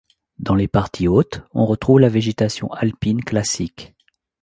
Dans les parties hautes, on retrouve la végétation alpine classique.